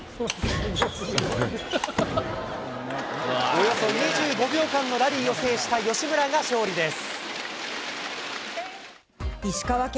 およそ２５秒間のラリーを制した吉村が勝利です。